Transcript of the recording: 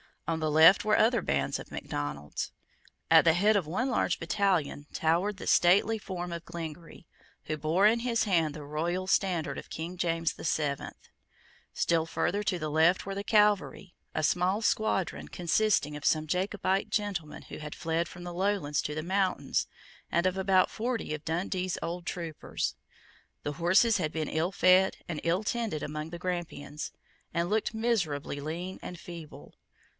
On the left were other bands of Macdonalds. At the head of one large battalion towered the stately form of Glengarry, who bore in his hand the royal standard of King James the Seventh, Still further to the left were the cavalry, a small squadron consisting of some Jacobite gentlemen who had fled from the Lowlands to the mountains and of about forty of Dundee's old troopers. The horses had been ill fed and ill tended among the Grampians, and looked miserably lean and feeble.